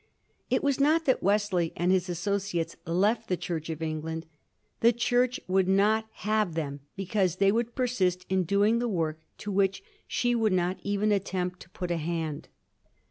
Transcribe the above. It was not that Wesley and his asso ciates left the Church of England. The Church would not have them because they would persist in doing the work to which she would not even attempt to put a hand.